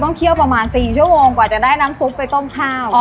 เคี่ยวประมาณ๔ชั่วโมงกว่าจะได้น้ำซุปไปต้มข้าว